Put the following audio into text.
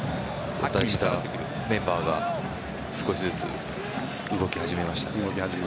メンバーが少しずつ動き始めましたね。